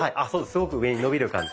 すごく上に伸びる感じ。